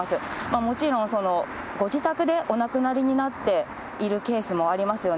もちろんご自宅でお亡くなりになっているケースもありますよね。